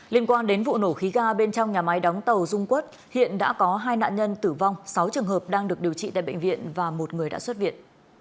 liên quan đến vụ nổ khí ga bên trong nhà máy đóng tàu dung quất hiện đã có hai nạn nhân tử vong sáu trường hợp đang được điều trị tại bệnh viện và một người đã xuất viện